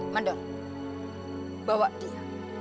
mendon bawa dia